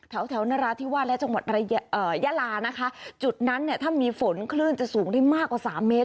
แถวแถวนราธิวาสและจังหวัดระยะลานะคะจุดนั้นเนี่ยถ้ามีฝนคลื่นจะสูงได้มากกว่าสามเมตร